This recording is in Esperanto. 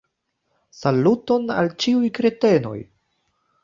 Saluton al ĉiuj kretenoj